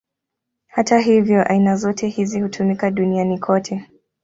Hata hivyo, aina zote hizi hutumika duniani kote.